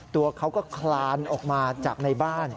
ตัวเขาก็คลานออกมาจากในบ้าน